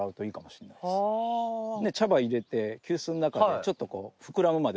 茶葉入れて急須の中でちょっとこう膨らむまで待ったりしますよね。